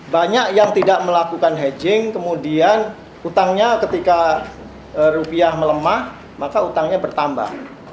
banyak yang tidak melakukan hedging kemudian utangnya ketika rupiah melemah maka utangnya bertambah